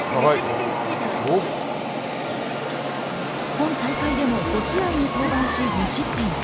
今大会でも５試合に登板し、２失点。